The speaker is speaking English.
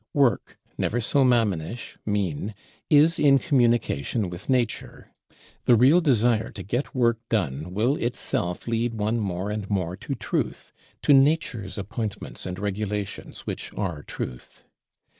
Work, never so Mammonish, mean, is in communication with Nature; the real desire to get Work done will itself lead one more and more to truth, to Nature's appointments and regulations, which are truth.